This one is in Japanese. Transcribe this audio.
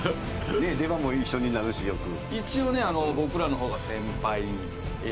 出番も一緒になるし、よく。